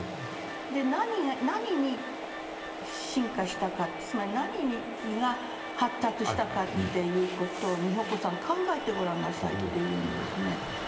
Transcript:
で「何に進化したかつまり何が発達したかという事を美穂子さん考えてごらんなさい」って言うんですね。